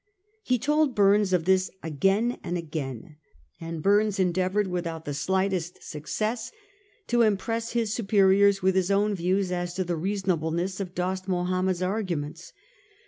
He told Burnes of this again and again, and Bumes endeavoured with out the slightest success to impress his superiors with his own views as to the reasonableness of Dost Mahomed's arguments.